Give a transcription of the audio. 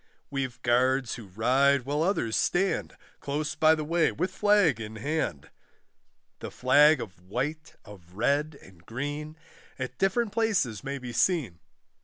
We've guards who ride, while others stand Close by the way with flag in hand, The flag of white, of red, and green, At different places may be seen.